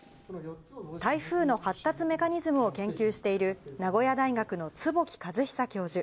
台風の発達メカニズムを研究している、名古屋大学の坪木和久教授。